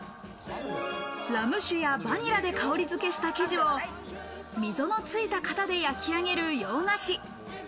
ラム酒やバニラで香り付した生地を溝のついた型で焼き上げる洋菓子。